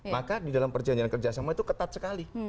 maka di dalam perjanjian kerja sama itu ketat sekali